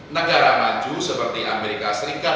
negara maju seperti amerika serikat